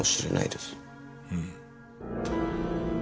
うん。